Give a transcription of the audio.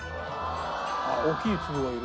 あっ大きい粒がいる。